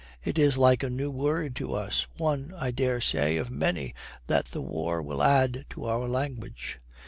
It is like a new word to us one, I daresay, of many that the war will add to our language.